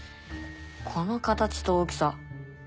この形と大きさ。